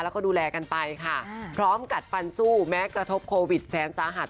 แล้วก็ดูแลกันไปค่ะพร้อมกัดฟันสู้แม้กระทบโควิดแฟนสาหัส